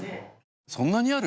そんなにある？